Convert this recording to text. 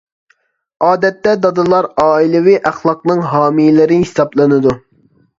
ئادەتتە، دادىلار ئائىلىۋى ئەخلاقنىڭ ھامىيلىرى ھېسابلىنىدۇ.